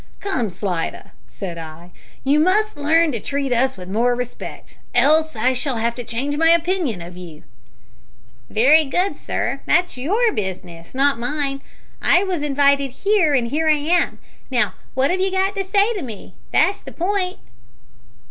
"Come, Slidder," said I, "you must learn to treat us with more respect, else I shall have to change my opinion of you." "Wery good, sir, that's your business, not mine. I wos inwited here, an' here I am. Now, wot 'ave you got to say to me? that's the p'int."